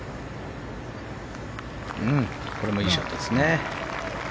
これもいいショットです。